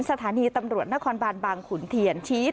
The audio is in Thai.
สถานีตำรวจนครบานบางขุนเทียนชี้